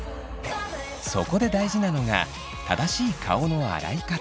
そこで大事なのが正しい顔の洗い方。